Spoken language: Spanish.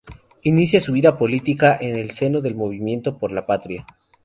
Inicia su vida política en el seno del Movimiento Por la Patria.